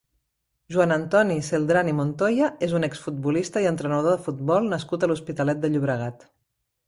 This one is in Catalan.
Joan Antoni Celdran i Montoya és un exfutbolista i entrenador de futbol nascut a l'Hospitalet de Llobregat.